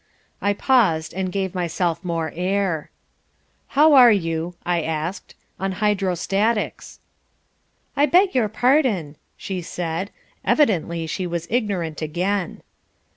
I paused and gave myself more air. "How are you," I asked, "on hydrostatics?" "I beg your pardon," she said. Evidently she was ignorant again.